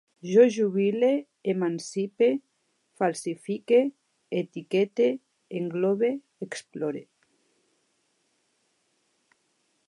Jo jubile, emancipe, falsifique, etiquete, englobe, explore